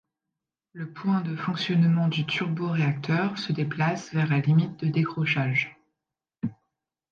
Le point de fonctionnement du turboréacteur se déplace vers la limite de décrochage.